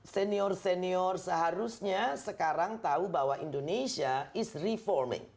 senior senior seharusnya sekarang tahu bahwa indonesia is reforming